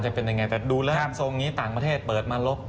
แต่ดูแล้วทรงนี้ต่างประเทศเปิดมาลบ